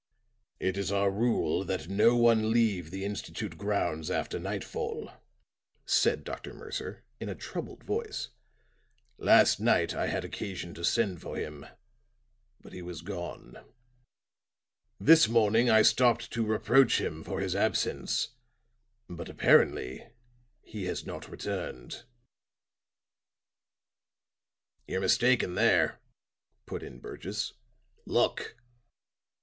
"It is our rule that no one leave the institute grounds after nightfall," said Dr. Mercer, in a troubled voice. "Last night I had occasion to send for him, but he was gone. This morning I stopped to reproach him for his absence; but apparently he has not returned." "You're mistaken there," put in Burgess. "Look!"